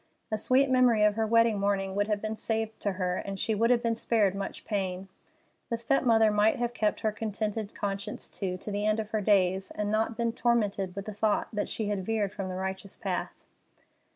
A sweet memory of her wedding morning would have been saved to her, and she would have been spared much pain. The step mother might have kept her contented conscience, too, to the end of her days, and not been tormented with the thought that she had veered from the righteous path.